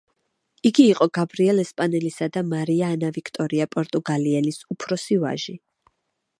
იგი იყო გაბრიელ ესპანელისა და მარია ანა ვიქტორია პორტუგალიელის უფროსი ვაჟი.